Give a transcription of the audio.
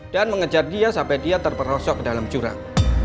dan mengejar dia sampai dia terperosok ke dalam jurang